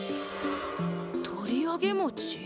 とりあげもち？